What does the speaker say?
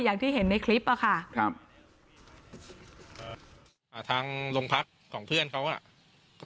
อย่างที่เห็นในคลิปอ่ะค่ะครับเอ่ออ่าทางโรงพักของเพื่อนเขาอ่ะ